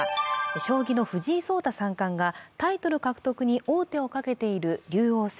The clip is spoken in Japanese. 将棋の藤井聡太三冠がタイトル獲得に王手をかけている竜王戦